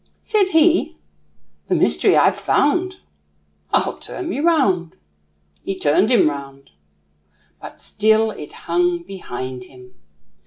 Says he, "The mystery I've found, I'll turn me round," he turned him round; But still it hung behind him.